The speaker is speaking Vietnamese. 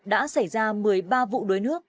đã xảy ra một mươi ba vụ đuối nước